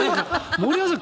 森山さん